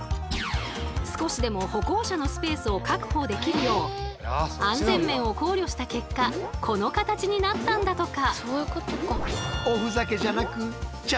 少しでも歩行者のスペースを確保できるよう安全面を考慮した結果この形になったんだとか。